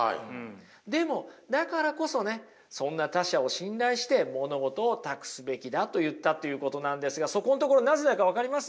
でもだからこそねそんな他者を信頼して物事を託すべきだと言ったということなんですがそこのところなぜだか分かります？